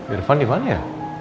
irfan dimana ya